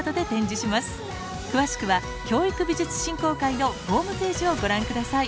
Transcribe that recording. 詳しくは教育美術振興会のホームページをご覧下さい。